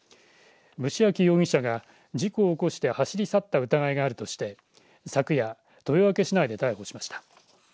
虫明容疑者が事故を起こして走り去った疑いがあるとして昨夜、豊明市内で逮捕しました。